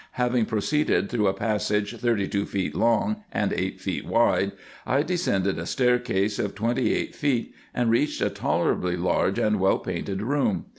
Having proceeded through a passage thirty two feet long, and eight feet wide, I de scended a staircase of twenty eight feet, and reached a tolerably large and well painted room.